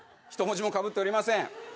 １文字もかぶっておりません。